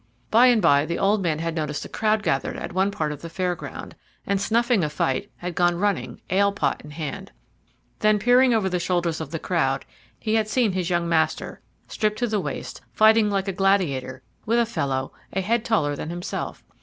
By and by the old man had noticed a crowd gathered at one part of the fair ground, and, snuffing a fight, had gone running, ale pot in hand. Then, peering over the shoulders of the crowd, he had seen his young master, stripped to the waist, fighting like a gladiator with a fellow a head taller than himself.